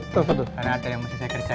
karena ada yang masih saya kerjakan